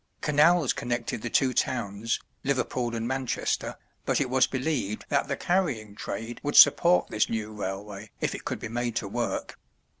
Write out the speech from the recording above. Canals connected the two towns, Liverpool and Manchester, but it was believed that the carrying trade would support this new railway if it could be made to work.